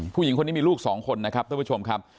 ผู้หญิงคนนี้มีลูกสองคนนะครับท่านผู้ชมครับ